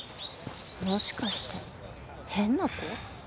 もしかして変な子？